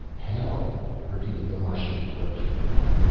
"Hell?" repeated the Martian reproachfully.